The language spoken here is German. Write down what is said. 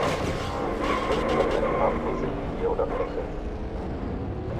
Zurück bleibt eine farblose Linie oder Fläche.